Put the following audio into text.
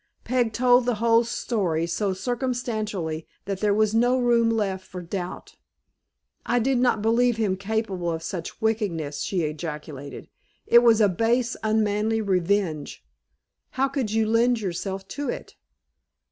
Peg told the whole story, so circumstantially, that there was no room left for doubt. "I did not believe him capable of such wickedness," she ejaculated. "It was a base, unmanly revenge. How could you lend yourself to it?"